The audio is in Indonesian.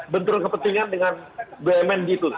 benturan kepentingan dengan bumn gitu